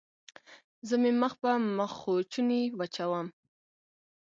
زه مې مخ په مخوچوني وچوم.